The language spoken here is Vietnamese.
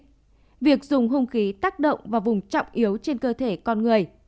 nếu có hành vi sử dụng đoạn gỗ cứng để tác động vào vùng trọng yếu trên cơ thể con người